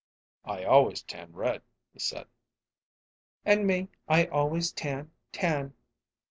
"I always tan red," he said. "And me, I always tan tan."